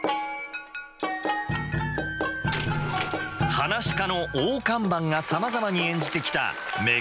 噺家の大看板がさまざまに演じてきた「妾馬」。